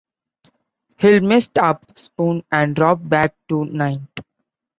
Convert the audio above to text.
Hill messed up, spun and dropped back to ninth.